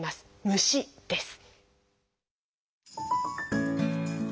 虫です。